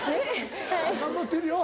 頑張ってるよ